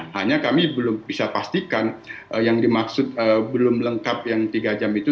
hanya kami belum bisa pastikan yang dimaksud belum lengkap yang tiga jam itu